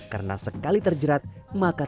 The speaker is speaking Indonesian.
karena sekali terjerat maka